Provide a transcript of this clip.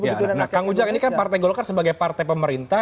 iya nah kang ujang ini kan partai golkar sebagai partai pemerintah